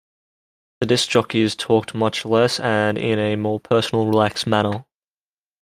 The disc jockeys talked much less, and in a more personal, relaxed manner.